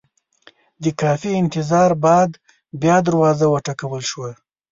د کافي انتظاره بعد بیا دروازه وټکول شوه.